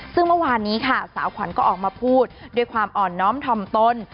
ซึ่งเมื่อวานนี้ค่ะสาวขวัญก็ออกมาพูดด้วยความอ่อนน้อมถ่อมตน